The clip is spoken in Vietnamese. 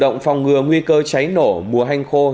nguy cơ cháy nổ mùa hành khóa